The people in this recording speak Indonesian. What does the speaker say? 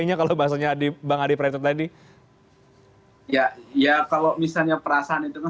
ya kalau misalnya perasaan itu